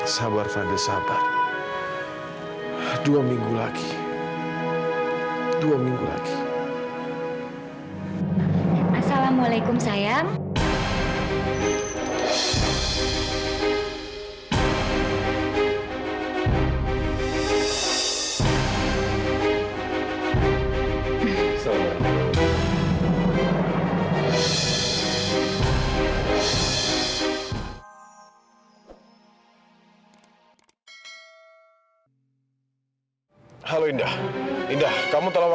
sampai jumpa di video selanjutnya